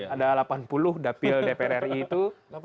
ada delapan puluh dapil dpr ri itu